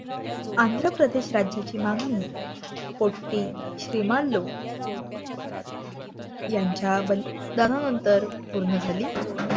आंध्र प्रदेश राज्याची मागणी पोट्टी श्रीरामल्लू यांच्या बलिदानानंतर पूर्ण झाली.